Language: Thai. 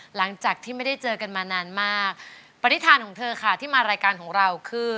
หลังจากที่ไม่ได้เจอกันมานานมากปฏิฐานของเธอค่ะที่มารายการของเราคือ